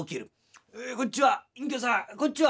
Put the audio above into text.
「えこんちは隠居さんこんちは」。